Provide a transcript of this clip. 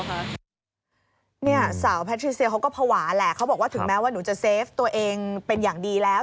สาวแพทิเซียเขาก็ภาวะแหละเขาบอกว่าถึงแม้ว่าหนูจะเซฟตัวเองเป็นอย่างดีแล้ว